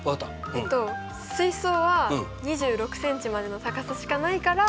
えっと水槽は２６ｃｍまでの高さしかないから。